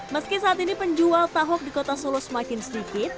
meski saat ini penjual tahok di kota solo semakin sedikit